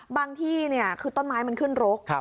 บางที่เนี่ยคือต้นไม้มันขึ้นรก